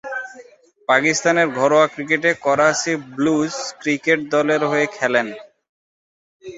পাকিস্তানের ঘরোয়া ক্রিকেটে করাচি ব্লুজ ক্রিকেট দলের হয়ে খেলেন।